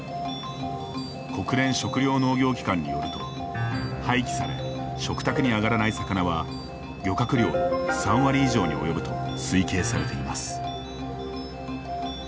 国連食糧農業機関によると廃棄され、食卓に上がらない魚は漁獲量の３割以上に及ぶと推計されています。